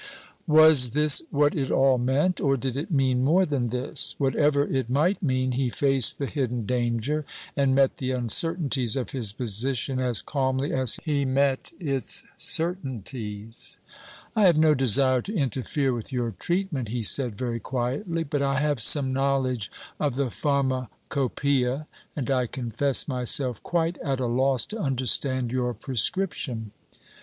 Was this what it all meant? Or did it mean more than this? Whatever it might mean, he faced the hidden danger, and met the uncertainties of his position as calmly as he met its certainties. "I have no desire to interfere with your treatment," he said, very quietly; "but I have some knowledge of the Pharmacopoeia, and I confess myself quite at a loss to understand your prescription."